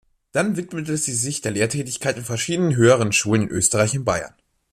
Dann widmete sie sich der Lehrtätigkeit an verschiedenen höheren Schulen in Österreich und Bayern.